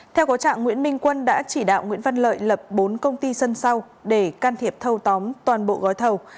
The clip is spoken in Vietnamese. theo có trạng nguyễn minh quân đã chỉ đạo nguyễn văn lợi lập bốn công ty sân sau để can thiệp thâu tóm toàn bộ gói thầu